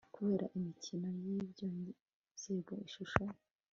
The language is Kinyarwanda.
Kubera Imikino Yibyorezo Ishusho